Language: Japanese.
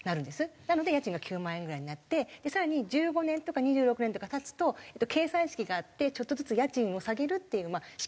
なので家賃が９万円ぐらいになって更に１５年とか２６年とか経つと計算式があってちょっとずつ家賃を下げるという式になってるんですけども。